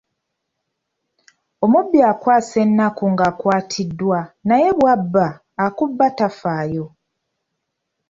Omubbi akwasa ennaku ng'akwatiddwa naye bwaba akubba tafaayo.